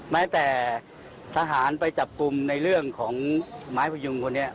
แม้แต่ทหารไปจับกลุ่มในเรื่องของไม้พยุงคนนี้